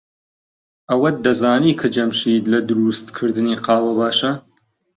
ئەوەت دەزانی کە جەمشید لە دروستکردنی قاوە باشە؟